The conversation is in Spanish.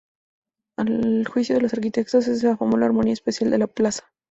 A juicio de algunos arquitectos, eso afectó la armonía espacial de la plaza.